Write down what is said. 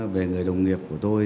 về người đồng nghiệp của tôi